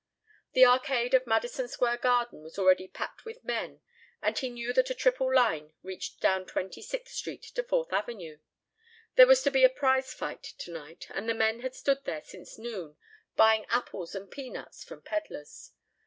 The arcade of Madison Square Garden was already packed with men and he knew that a triple line reached down Twenty sixth Street to Fourth Avenue. There was to be a prize fight tonight and the men had stood there since noon, buying apples and peanuts from peddlers.